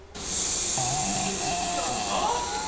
いやはやなんと！